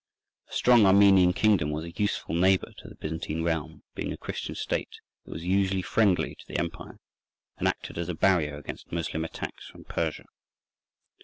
A strong Armenian kingdom was a useful neighbour to the Byzantine realm; being a Christian state it was usually friendly to the empire, and acted as a barrier against Moslem attacks from Persia.